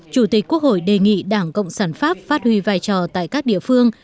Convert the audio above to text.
chủ tịch quốc hội đề nghị đảng cộng sản pháp phát huy vai trò tại các địa phương